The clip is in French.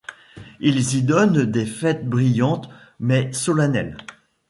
Ils y donnent des fêtes brillantes mais solennelles.